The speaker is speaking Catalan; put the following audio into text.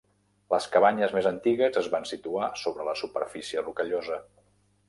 Les cabanyes més antigues es van situar sobre la superfície rocallosa.